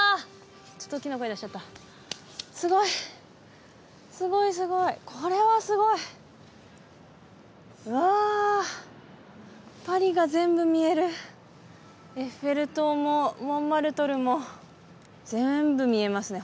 ちょっと大きな声出しちゃったすごいすごいすごいこれはすごいうわパリが全部見えるエッフェル塔もモンマルトルも全部見えますね